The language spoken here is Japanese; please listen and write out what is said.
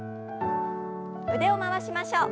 腕を回しましょう。